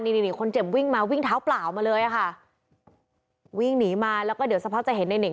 นี่นี่คนเจ็บวิ่งมาวิ่งเท้าเปล่ามาเลยอะค่ะวิ่งหนีมาแล้วก็เดี๋ยวสักพักจะเห็นในเน่ง